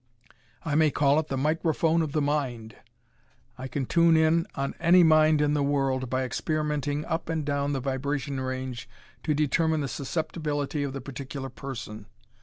I may call it the microphone of the mind. I can tune in on any mind in the world, by experimenting up and down the vibration range to determine the susceptibility of the particular person.